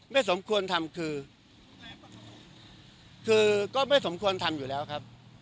ไม่สมควรทำคือคือก็ไม่สมควรทำอยู่แล้วครับ